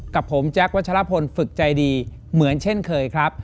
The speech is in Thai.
กับผมแจ๊ควัชลพลฝึกใจดีเหมือนเช่นเคยครับ